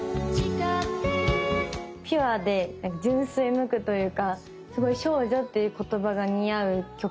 ピュアで純粋無垢というかすごい「少女」っていう言葉が似合う曲。